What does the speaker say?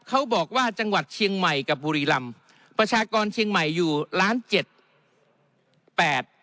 เขาบอกว่าจังหวัดเชียงใหม่กับบุรีรำประชากรเชียงใหม่อยู่ล้านเจ็ดแปด